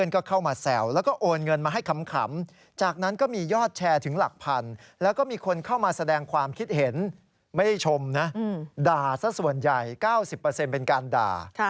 ก็ส่วนใหญ่๙๐เป็นการด่า